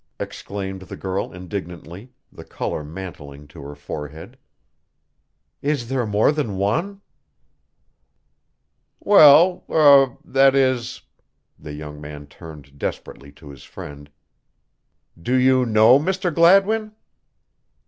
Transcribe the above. exclaimed the girl indignantly, the color mantling to her forehead. "Is there more than one?" "Well er that is," the young man turned desperately to his friend, "do you know Mr. Gladwin?"